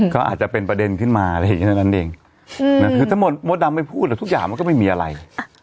ก็อาจจะเป็นบัตรเป็นประเด็นขึ้นมาเลยอะไรนั้นเองถ้ามดมไม่พูดล่ะทุกอย่างมันก็ไม่มีอะไร